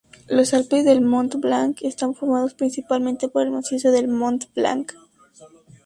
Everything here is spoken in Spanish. Los Alpes del Mont Blanc están formados principalmente por el macizo del Mont Blanc.